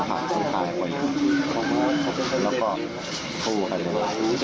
ตัวขาลเขาเข้ามาแล้วก็โทรกันเลย